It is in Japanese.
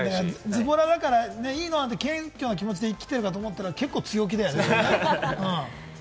ずぼらだけれどもいいの？って謙虚な気持ちで生きてるかと思ったら結構、強気だね。